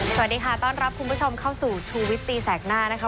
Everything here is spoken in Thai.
สวัสดีค่ะต้อนรับคุณผู้ชมเข้าสู่ชูวิตตีแสกหน้านะคะ